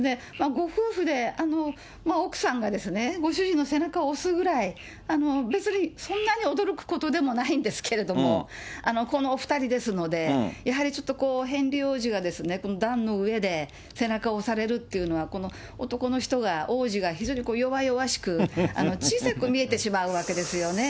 ご夫婦で、奥さんがですね、ご主人の背中を押すぐらい、別にそんなに驚くことでもないんですけれども、このお２人ですので、やはりちょっとヘンリー王子が壇の上で背中を押されるっていうのは、男の人が、王子が非常に弱弱しく小さく見えてしまうわけですよね。